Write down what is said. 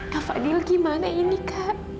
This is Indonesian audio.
kak fadil gimana ini kak